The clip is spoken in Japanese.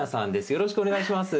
よろしくお願いします。